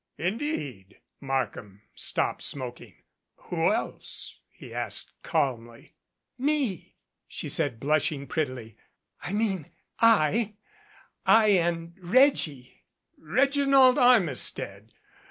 "Indeed?" Markham stopped smoking. "Who else?" he asked calmly. "Me," she said blushing prettily. "I mean I I and Reggie " "Reginald Armistead!